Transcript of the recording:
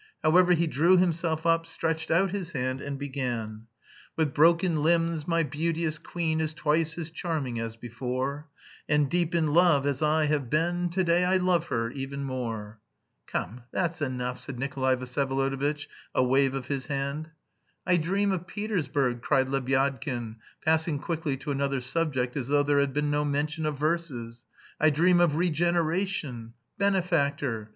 However, he drew himself up, stretched out his hand, and began: "With broken limbs my beauteous queen Is twice as charming as before, And, deep in love as I have been, To day I love her even more." "Come, that's enough," said Nikolay Vsyevolodovitch, with a wave of his hand. "I dream of Petersburg," cried Lebyadkin, passing quickly to another subject, as though there had been no mention of verses. "I dream of regeneration.... Benefactor!